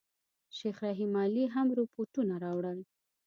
شیخ رحیم علي هم رپوټونه راوړل.